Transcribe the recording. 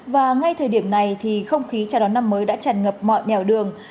và ngay thời điểm này thì không khí trả đón năm mới đã tràn ngập mọi mèo đường